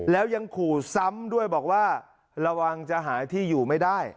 แล้วยังขู่ซ้ำด้วยบอกว่าระวังจะหาที่อยู่ไม่ได้